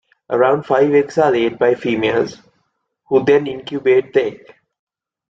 Around five eggs are laid by females, who then incubate the egg.